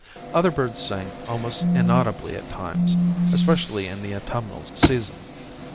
Other birds sing almost inaudibly at times, especially in the autumnal season.